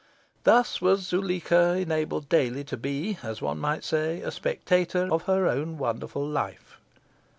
Thus was Zuleika enabled daily to be, as one might say, a spectator of her own wonderful life.